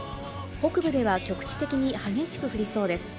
北部では局地的に激しく降りそうです。